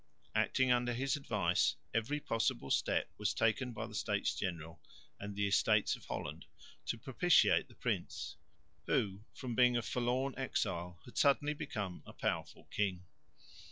Acting under his advice, every possible step was taken by the States General and the Estates of Holland to propitiate the prince, who from being a forlorn exile had suddenly become a powerful king.